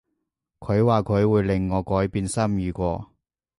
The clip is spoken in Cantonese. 佢話佢會令我改變心意喎